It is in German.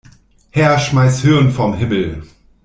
Herr, schmeiß Hirn vom Himmel.